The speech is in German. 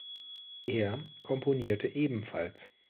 Er komponierte ebenfalls.